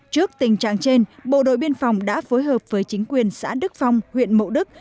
trước tình trạng trên bộ đội biên phòng đã phối hợp với chính quyền xã đức phong huyện mộ đức